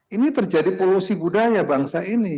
ini terjadi polusi budaya bangsa ini